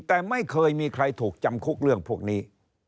แต่ไม่เคยมีใครถูกจำคุกเรื่องพวกนี้